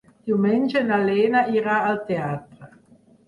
Diumenge na Lena irà al teatre.